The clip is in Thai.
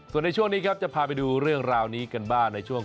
ส่วนในช่วงนี้จะพาไปดูเรื่องราวนี้กันบ้าง